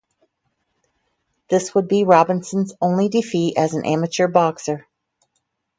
This would be Robinson's only defeat as an amateur boxer.